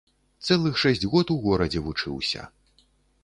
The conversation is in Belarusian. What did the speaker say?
Цэлых шэсць год у горадзе вучыўся.